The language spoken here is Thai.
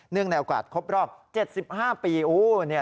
เนื่องในโอกาสครบรอบ๗๕ปี